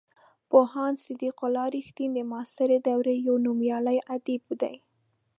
پوهاند صدیق الله رښتین د معاصرې دورې یو نومیالی ادیب دی.